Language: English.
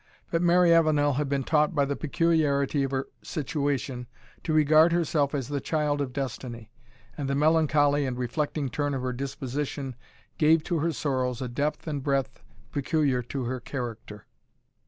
But Mary Avenel had been taught by the peculiarity of her situation, to regard herself as the Child of Destiny; and the melancholy and reflecting turn of her disposition gave to her sorrows a depth and breadth peculiar to her character.